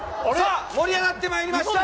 盛り上がってまいりました。